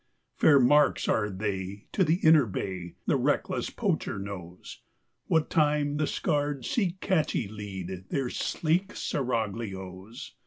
Fair marks are they to the inner bay, the reckless poacher knows, What time the scarred see catchie lead their sleek seraglios.